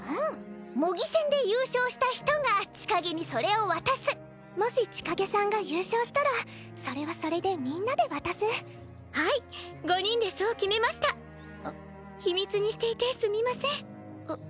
模擬戦で優勝した人が千景にそれを渡すもし千景さんが優勝したらそれはそれでみんなで渡す（ひなた５人でそう決めましたあ秘密にしていてすみませあっ